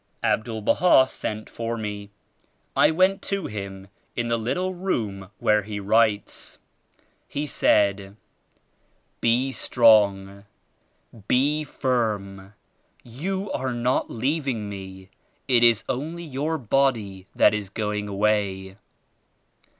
Abdul Baha sent for me. I went to him in the little room where he writes. He said "Be strong! Be firm! You are not leaving me; it is only your body that is going away.